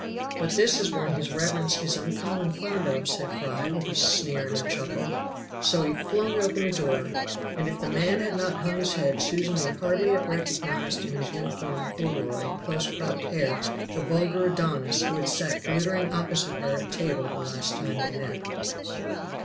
"But this is one his reverence is uncommon fond of," said Fry, with a sneer and a chuckle; so he flung open the door, and if the man had not hung his head Susan would hardly have recognized in his uniform corduroy and close cropped hair the vulgar Adonis who had sat glittering opposite her at table the last time they met.